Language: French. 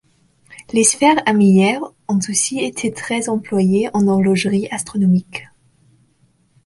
Les sphères armillaires ont aussi été très employées en horlogerie astronomique.